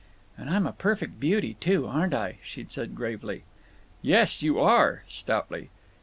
"And I'm a perfect beauty, too, aren't I?" she said, gravely. "Yes, you are!" stoutly.